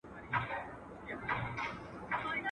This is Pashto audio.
اېډلر دې خوا ته د خلګو پام را واړاوی